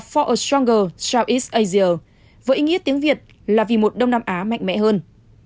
for a stronger southeast asia với ý nghĩa tiếng việt là vì một đông nam á mạnh mẽ hơn